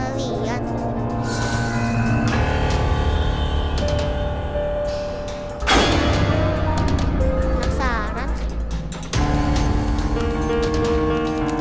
aaaaahhh hantu hantu